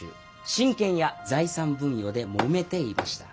親権や財産分与で揉めていました。